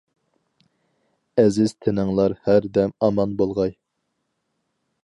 ئەزىز تىنىڭلار ھەر دەم ئامان بولغاي.